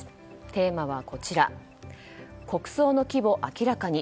テーマは国葬の規模明らかに。